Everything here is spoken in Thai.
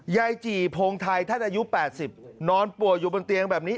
จี่โพงไทยท่านอายุ๘๐นอนป่วยอยู่บนเตียงแบบนี้